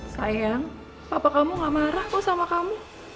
sayang papa kamu gak marah kok sama kamu